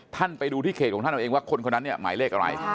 ท่านไปดูที่เขตของท่านเอาเองว่าคนคนนั้นเนี่ยหมายเลขอะไร